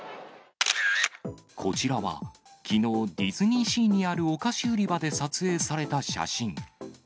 こちらはきのう、ディズニーシーにあるお菓子売り場で撮影された写真。